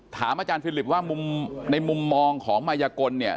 ถามอาจารย์ฟิลิปว่าในมุมมองของมายกลเนี่ย